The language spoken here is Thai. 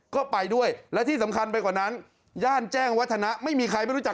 ก็ไปด้วยและที่สำคัญไปกว่านั้นย่านแจ้งวัฒนะไม่มีใครไม่รู้จัก